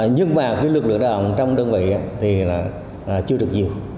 nhưng mà lực lượng lao động trong đơn vị thì chưa được nhiều